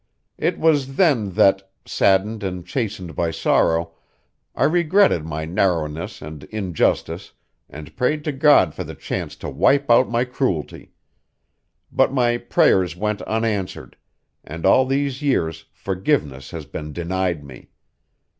It was then that, saddened and chastened by sorrow, I regretted my narrowness and injustice and prayed to God for the chance to wipe out my cruelty. But my prayers went unanswered, and all these years forgiveness has been denied me.